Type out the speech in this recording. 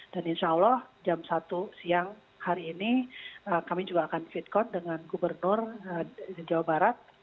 dan insya allah jam satu siang hari ini kami juga akan fitkot dengan gubernur jawa barat